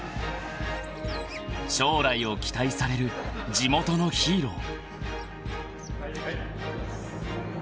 ［将来を期待される地元のヒーロー］